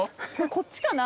こっちかな？